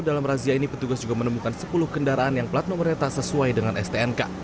dalam razia ini petugas juga menemukan sepuluh kendaraan yang plat nomornya tak sesuai dengan stnk